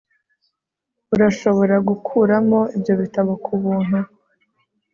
Urashobora gukuramo ibyo bitabo kubuntu